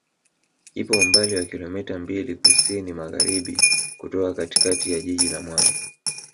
Ipo umbali wa kilomita mbili kusini magharibi kutoka katikati ya jiji la Mwanza